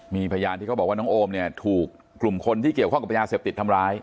มีพยานที่เขาบอกว่าน้องโอมเนี่ยถูกกลุ่มคนที่เกี่ยวข้องกับยาเสพติดทำร้าย